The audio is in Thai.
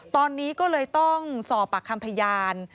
ตอนนี้ก็เลยต้องสอบปากคำพยาน